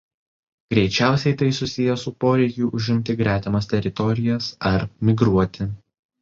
Greičiausiai tai susiję su poreikiu užimti gretimas teritorijas ar migruoti.